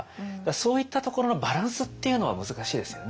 そういったところのバランスっていうのは難しいですよね。